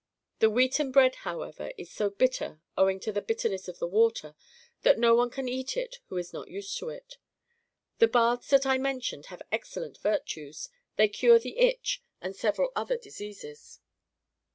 The wheaten bread, however, is so bitter, owing to the bitterness of the water, that no one can eat it who is not used to it. The baths that I mentioned have excellent virtues ; they cure the itch and several other diseases.'